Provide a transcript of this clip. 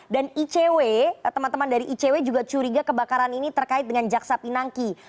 dan icw teman teman dari icw juga curiga kebakaran ini terkait dengan jaksa pinangki